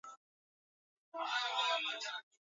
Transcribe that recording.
huku wengine wakiamua kubaki katika kambi ya